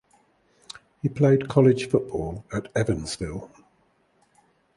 He played college football at Evansville.